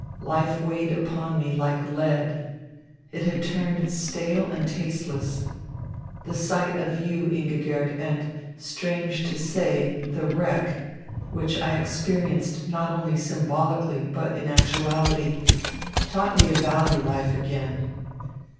Life weighed upon me like lead. It had turned stale and tasteless. The sight of you, Ingigerd, and, strange to say, the wreck, which I experienced not only symbolically but in actuality, taught me to value life again.